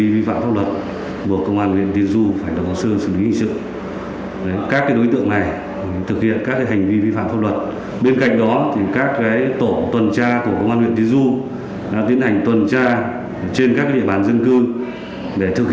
hiện công an huyện tiên du đã hoàn tất hồ sơ đề nghị truy tố quân về tội chống người thi hành công vụ